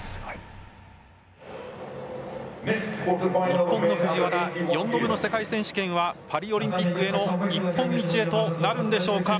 日本の藤原４度目の世界選手権はパリオリンピックへの一本道へとなるんでしょうか。